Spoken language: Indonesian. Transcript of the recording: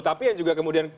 tapi yang juga kemudian